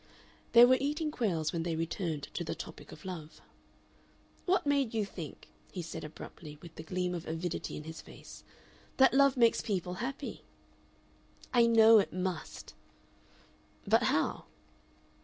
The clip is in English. They were eating quails when they returned to the topic of love. "What made you think" he said, abruptly, with the gleam of avidity in his face, "that love makes people happy?" "I know it must." "But how?"